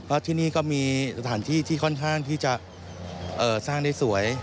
เพราะที่นี่ก็มีสถานที่ที่ค่อนข้างที่จะสร้างได้สวย